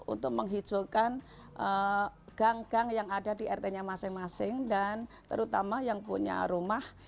untuk menghijaukan gang gang yang ada di rt nya masing masing dan terutama yang punya rumah